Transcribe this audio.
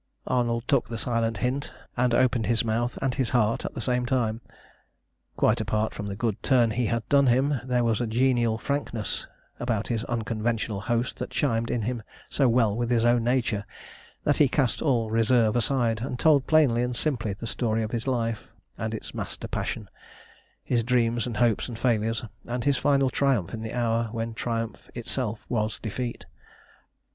Arnold took the silent hint, and opened his mouth and his heart at the same time. Quite apart from the good turn he had done him, there was a genial frankness about his unconventional host that chimed in so well with his own nature that he cast all reserve aside, and told plainly and simply the story of his life and its master passion, his dreams and hopes and failures, and his final triumph in the hour when triumph itself was defeat.